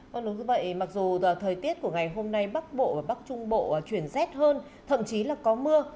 vâng đúng như vậy mặc dù thời tiết của ngày hôm nay bắc bộ và bắc trung bộ chuyển rét hơn thậm chí là có mưa